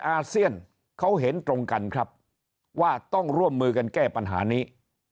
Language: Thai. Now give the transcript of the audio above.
อาเซียนเขาเห็นตรงกันครับว่าต้องร่วมมือกันแก้ปัญหานี้